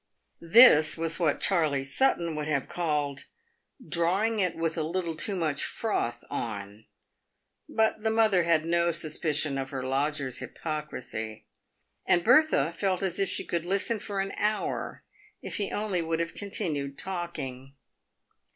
This was what Charley Sutton would have called " drawing it with a little too much froth on." But the mother had no suspicion of her lodger's hypocrisy, and Bertha felt as if she could listen for an 27S PAVED WITH GOLD. hour if he only would have continued talking.